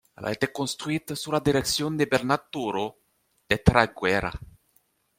Elle a été construite sous la direction de Bernat Turó, de Traiguera.